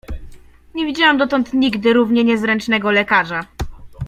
Nie widziałam dotąd nigdy równie niezręcznego lekarza.